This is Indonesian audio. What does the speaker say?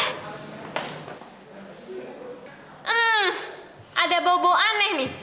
hmm ada bau bau aneh nih